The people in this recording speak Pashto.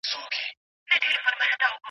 ځوانان ظاهرا روغ ښکاري خو رواني ستونزې لري.